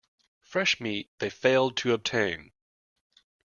Fresh meat they failed to obtain.